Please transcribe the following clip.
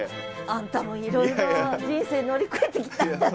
あんたもいろいろ人生乗り越えてきたんだ。